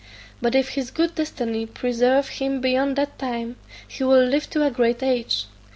But if his good destiny preserve him beyond that time, he will live to a great age.